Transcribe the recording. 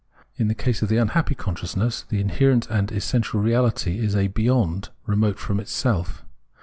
In the case of the unhappy consciousness, the inherent and essential reality is a "beyond" remote from itself.